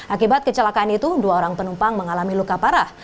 akibat kecelakaan itu dua orang penumpang mengalami luka parah